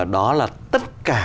đó là tất cả